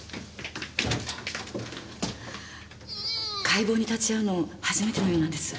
解剖に立ち会うの初めてのようなんです。